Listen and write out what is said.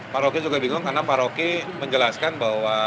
pak rocky juga bingung karena pak rocky menjelaskan bahwa